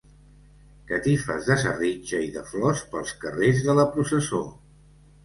Catifes de serritja i de flors pels carrers de la processó.